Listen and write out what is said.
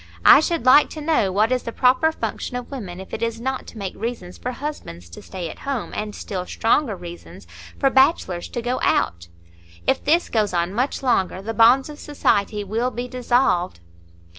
I should like to know what is the proper function of women, if it is not to make reasons for husbands to stay at home, and still stronger reasons for bachelors to go out. If this goes on much longer, the bonds of society will be dissolved."